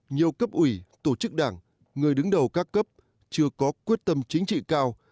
nhiều cấp ủy tổ chức đảng người đứng đầu các cấp chưa có quyết tâm chính trị cao